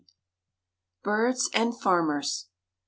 BIRDS AND FARMERS.